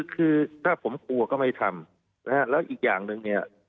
คือถ้าผมกลัวก็ไม่ทำนะฮะแล้วอีกอย่างหนึ่งเนี่ย